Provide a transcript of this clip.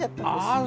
ああ